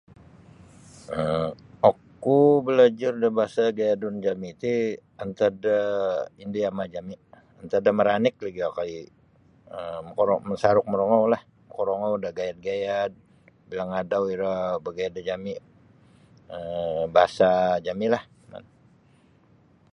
um Oku balajar da bahasa gayadun jami ti antad da indu yama jami antad da maranik lagi okoi um makarongou masaruk makarongoulah makarongou da gayad-gayad bilang adau iro bagayad da jami um bahasa jami lah.